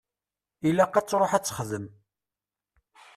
Ilaq ad truḥ ad texdem.